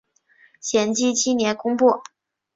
咸丰七年攻破。